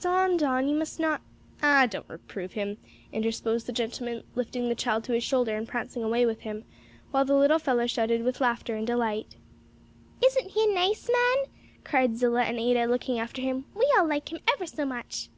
"Don, Don, you must not " "Ah, don't reprove him," interposed the gentleman, lifting the child to his shoulder and prancing away with him, while the little fellow shouted with laughter and delight. "Isn't he a nice man?" cried Zillah and Ada, looking after him, "we all like him ever so much."